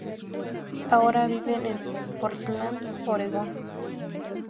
Ahora viven en Portland, Oregon.